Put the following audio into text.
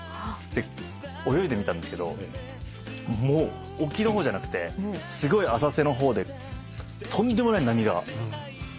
で泳いでみたんですけどもう沖の方じゃなくてすごい浅瀬の方でとんでもない波が起こってるんですね。